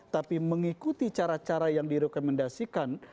tapi mengikuti cara cara yang direkomendasikan